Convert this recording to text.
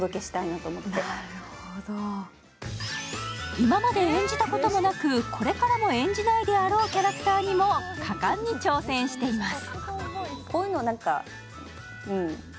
今まで演じたこともなく、これからも演じないであろうキャラクターにも果敢に挑戦しています。